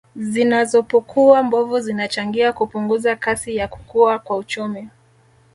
Zinazopokuwa mbovu zinachangia kupunguza kasi ya kukua kwa uchumi